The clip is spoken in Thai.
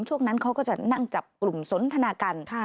ช่วงนั้นเขาก็จะนั่งจับกลุ่มสนทนากัน